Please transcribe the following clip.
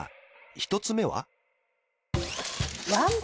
１つ目は？